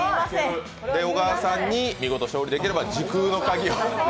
小川さんに、見事勝利できれば時空の鍵